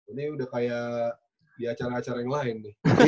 ini udah kayak di acara acara yang lain nih